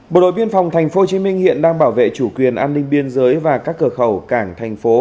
bộ đội biên phòng tp hcm hiện đang bảo vệ chủ quyền an ninh biên giới và các cửa khẩu cảng thành phố